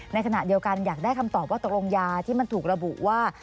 ในขณะเดียวกันอยากได้คำตอบว่าตกลงยาที่มันถูกระบุว่า